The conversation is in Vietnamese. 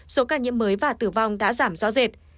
số ca nhiễm mới và tử vong đã giảm rõ rệt